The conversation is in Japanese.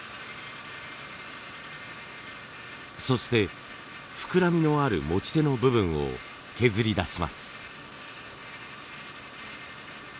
そして膨らみのある持ち手の部分を削り出します。